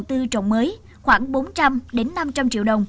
hồ tiêu trồng mới khoảng bốn trăm linh năm trăm linh triệu đồng